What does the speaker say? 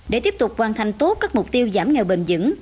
để tiếp tục hoàn thành tốt các mục tiêu giảm nghèo bền dững